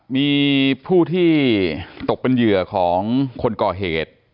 มีผู้ที่ตกเป็นเหยื่อของคนก่อเหตุ